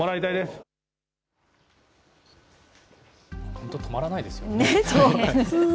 本当、止まらないですよね。